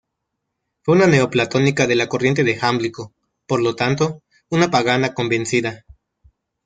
Fue una neoplatónica de la corriente de Jámblico, por lo tanto, una pagana convencida.